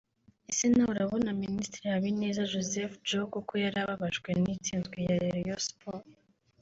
Ese nawe urabona Minisitiri Habineza Joseph (Joe) koko yari ababajwe n’ intsinzwi ya Rayon Sports